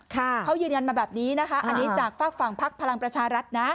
เขายืนยันมาแบบนี้นะคะอันนี้จากฝากฝั่งพักพลังประชารัฐนะ